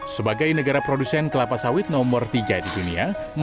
sebagai negara produsen kelapa sawit nomor tiga di dunia